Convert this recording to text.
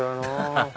ハハハハ！